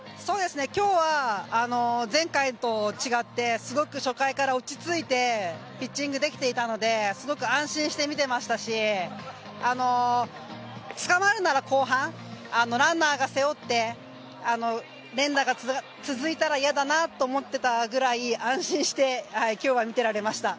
今日は、前回と違ってすごく初回から落ち着いてピッチングできていたのですごく安心して見ていましたしつかまるなら後半ランナーが背負って連打が続いたらいやだなと思っていたぐらい安心して今日は見てられました。